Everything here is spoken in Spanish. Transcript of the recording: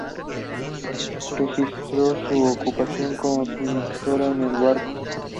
Registró su ocupación como "pintora" en el barco.